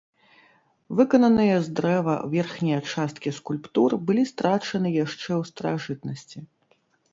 Выкананыя з дрэва верхнія часткі скульптур былі страчаны яшчэ ў старажытнасці.